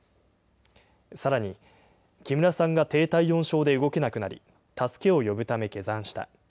さらに、木村さんが低体温症で動けなくなり、助けを呼ぶため下山した。